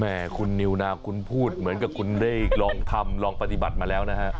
คุณนิวนาวคุณพูดเหมือนกับคุณได้ลองทำลองปฏิบัติมาแล้วนะฮะ